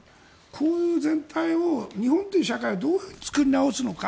こういう全体を日本という社会をどう作り直すのか。